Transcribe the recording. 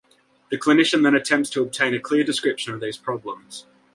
The clinician then attempts to obtain a clear description of these problems.